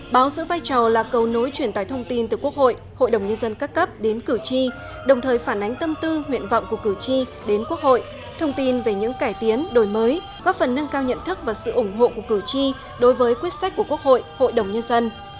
báo giữ vai trò là cầu nối truyền tải thông tin từ quốc hội hội đồng nhân dân các cấp đến cử tri đồng thời phản ánh tâm tư nguyện vọng của cử tri đến quốc hội thông tin về những cải tiến đổi mới góp phần nâng cao nhận thức và sự ủng hộ của cử tri đối với quyết sách của quốc hội hội đồng nhân dân